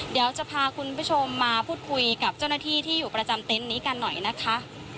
เดี๋ยวจะพาคุณผู้ชมมาพูดคุยกับเจ้าหน้าที่ที่อยู่ประจำเต็นต์นี้กันหน่อยนะคะ